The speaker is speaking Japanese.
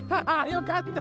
よかった！